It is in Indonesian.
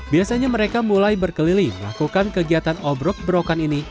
biasanya mereka mulai berkeliling melakukan kegiatan obrok berokan ini